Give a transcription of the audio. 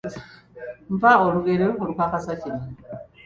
Mpa olugero olukakasa kino.